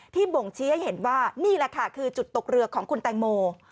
บ่งชี้ให้เห็นว่านี่แหละค่ะคือจุดตกเรือของคุณแตงโม